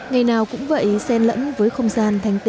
ngày nào cũng vậy sen lẫn với không gian thành tựu